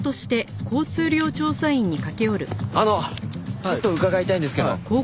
あのちょっと伺いたいんですけど。